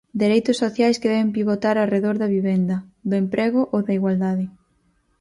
Dereitos sociais que deben pivotar arredor da vivenda, do emprego ou da igualdade.